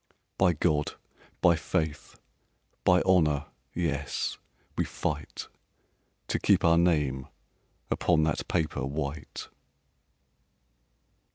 "By God, by faith, by honor, yes! We fight To keep our name upon that paper white."